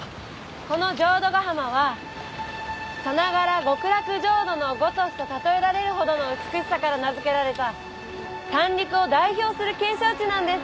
この浄土ヶ浜はさながら極楽浄土のごとしと例えられるほどの美しさから名付けられた三陸を代表する景勝地なんです。